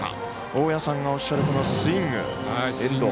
大矢さんがおっしゃるこのスイング、遠藤。